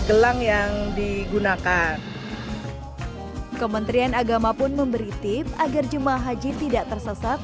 gelang yang digunakan kementerian agama pun memberi tip agar jemaah haji tidak tersesat